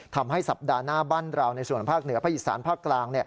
ทำให้สัปดาห์หน้าบ้านเราในส่วนภาคเหนือภาคอีสานภาคกลาง